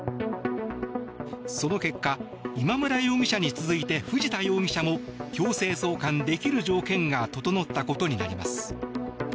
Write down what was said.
その結果、今村容疑者に続いて藤田容疑者も強制送還できる条件が整ったことになります。